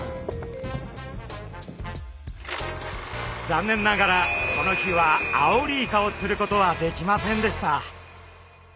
残念ながらこの日はアオリイカを釣ることはできませんでした。